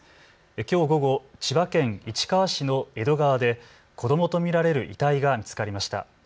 きょう午後、千葉県市川市の江戸川で子どもと見られる遺体が見つかりました。